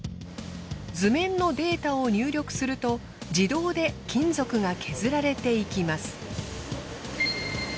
図面のデータを入力すると自動で金属が削られていきます。